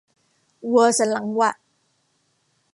วัวสันหลังหวะ